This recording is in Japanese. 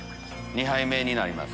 ２杯目になります。